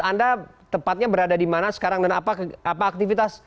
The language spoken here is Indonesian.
anda tepatnya berada di mana sekarang dan apa aktivitas